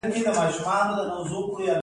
د یوه خبریال مرکه واورېده.